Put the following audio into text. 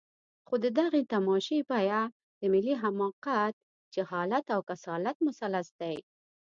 خو د دغې تماشې بیه د ملي حماقت، جهالت او کسالت مثلث دی.